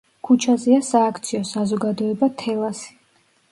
ქუჩაზეა სააქციო საზოგადოება „თელასი“.